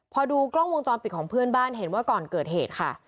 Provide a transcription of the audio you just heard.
พอดูกล้องวงจรปิดของเพื่อนบ้านเห็นว่าก่อนเกิดเหตุค่ะ